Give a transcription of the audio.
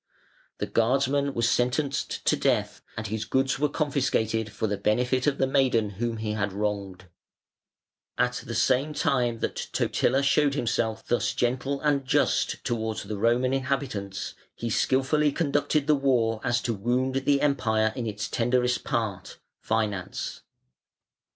The guardsman was sentenced to death, and his goods were confiscated for the benefit of the maiden whom he had wronged. At the same time that Totila showed himself thus gentle and just towards the Roman inhabitants, he skilfully conducted the war so as to wound the Empire in its tenderest part finance.